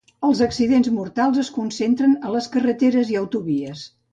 Els accidents mortals es concentren a les carreteres i autovies.